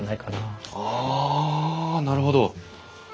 ああなるほど。